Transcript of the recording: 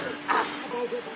大丈夫。